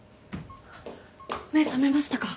目覚めましたか？